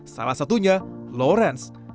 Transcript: salah satunya lawrence